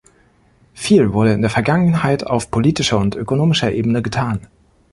Viel wurde in der Vergangenheit auf politischer und ökonomischer Ebene getan.